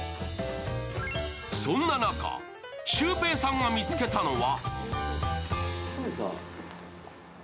そんな中、シュウペイさんが見つけたのが。